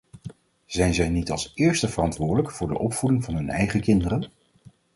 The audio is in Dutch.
Zijn zij niet als eerste verantwoordelijk voor de opvoeding van hun eigen kinderen?